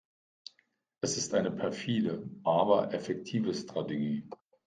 Es ist eine perfide, aber effektive Strategie.